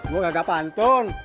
gue gak pantun